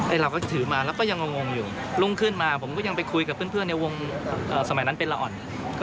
เราก็ถือมาแล้วก็ยังงงอยู่รุ่งขึ้นมาผมก็ยังไปคุยกับเพื่อนในวงสมัยนั้นเป็นละอ่อน